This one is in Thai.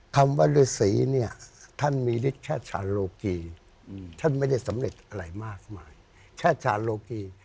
คำว่ารฤษีเนี่ยท่านมีริไป่